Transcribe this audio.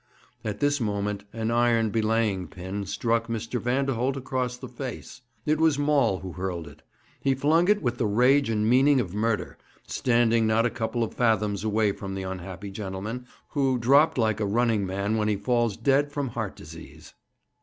At this moment an iron belaying pin struck Mr. Vanderholt across the face. It was Maul who hurled it. He flung it with the rage and meaning of murder, standing not a couple of fathoms away from the unhappy gentleman, who dropped like a running man when he falls dead from heart disease.